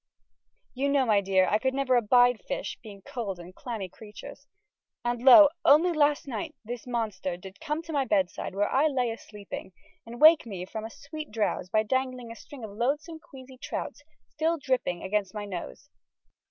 You knowe, my deare, I never colde abyde fyssche being colde clammy cretures, and loe onlye last nyghte this Monster dyd come to my beddside where I laye asleepyng and wake me fromm a sweet drowse by dangling a string of loathsome queasy trouts, still dryppinge, against my nose.